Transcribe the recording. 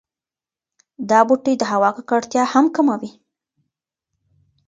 دا بوټي د هوا ککړتیا هم کموي.